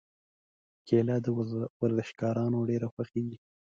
کېله د ورزشکارانو ډېره خوښېږي.